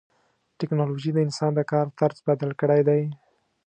ټکنالوجي د انسان د کار طرز بدل کړی دی.